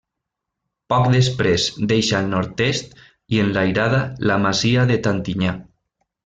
Poc després deixa al nord-est, i enlairada, la masia de Tantinyà.